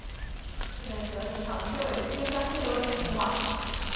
寺内主要殿堂皆为歇山黑琉璃筒瓦顶。